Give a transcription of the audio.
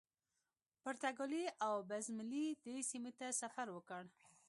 پرتګالي اوبمزلي دې سیمې ته سفر وکړ.